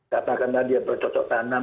katakanlah dia bercocok tanam